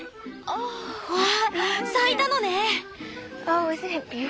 わあ咲いたのね！